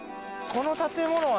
この建物は。